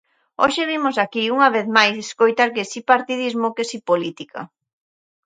Hoxe vimos aquí, unha vez máis, escoitar que si partidismo, que si política.